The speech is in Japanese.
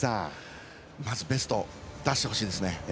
まずベストを出してほしいですね。